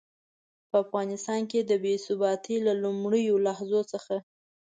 په افغانستان کې د بې ثباتۍ له لومړنيو لحظو څخه.